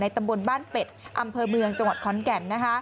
ตำบลบ้านเป็ดอำเภอเมืองจังหวัดขอนแก่น